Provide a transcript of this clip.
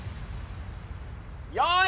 よい。